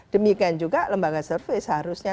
demikian juga lembaga survei seharusnya